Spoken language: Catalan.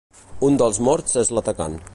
Un dels morts és l’atacant.